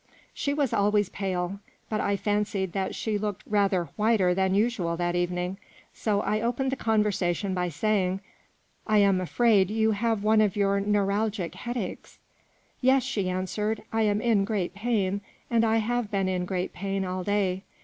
She was always pale ; but I fancied that she looked rather whiter than usual that evening ; so I opened the conversation by saying :" I am afraid you have one of your neuralgic head aches." " Yes," she answered ;" I am in great pain, and I have been in great pain all day.